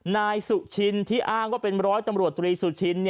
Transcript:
นายสุชินที่อ้างว่าเป็นร้อยตำรวจตรีสุชิน